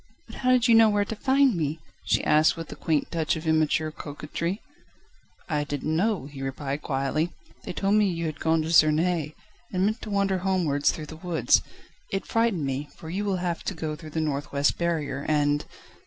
"But how did you know where to find me?" she asked with a quaint touch of immature coquetry. "I didn't know," he replied quietly. "They told me you had gone to Suresness, and meant to wander homewards through the woods. It frightened me, for you will have to go through the north west barrier, and